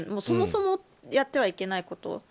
そもそもやってはいけないこと。